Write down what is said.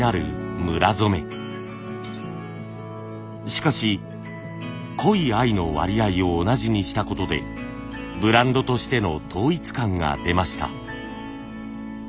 しかし濃い藍の割合を同じにしたことでブランドとしての統一感が出ました。